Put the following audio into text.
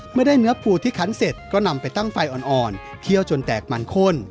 เมื่อได้เนื้อปูที่คันเสร็จก็นำไปตั้งไฟอ่อนเคี่ยวจนแตกมันข้น